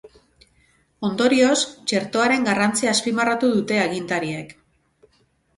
Ondorioz, txertoaren garrantzia azpimarratu dute agintariek.